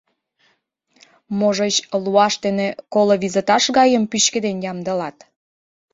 Можыч, луаш ден коло визыташ гайым пӱчкеден ямдылат?..